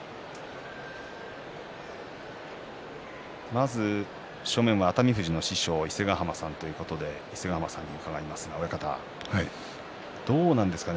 まず正面は熱海富士の師匠伊勢ヶ濱さんということで伺いますが、どうなんですかね。